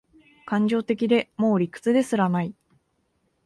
感情的で、もう理屈ですらない